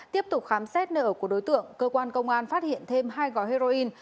tiếp tục khám xét nợ của đối tượng cơ quan công an phát hiện thêm hai gói heroin